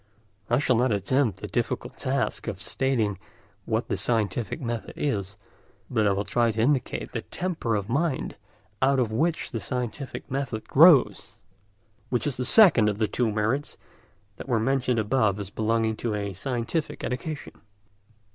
I shall not attempt the difficult task of stating what the scientific method is, but I will try to indicate the temper of mind out of which the scientific method grows, which is the second of the two merits that were mentioned above as belonging to a scientific education.